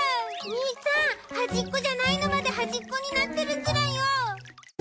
兄ちゃん端っこじゃないのまで端っこになってるズラよ。